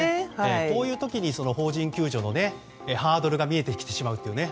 こういう時に邦人救助のハードルが見えてきてしまうというね。